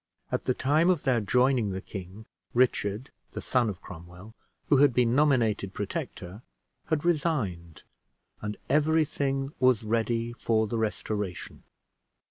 At the time of their joining the king, Richard, the son of Cromwell, who had been nominated Protector, had resigned, and every thing was ready for the Restoration.